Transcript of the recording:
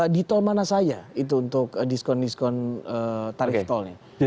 di tol mana saja itu untuk diskon diskon tarif tolnya